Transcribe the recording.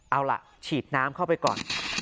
เอาล่ะฉีดน้ำเข้าไปก่อน